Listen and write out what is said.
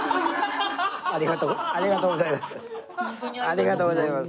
ありがとうございます。